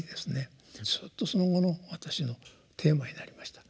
ずっとその後の私のテーマになりました。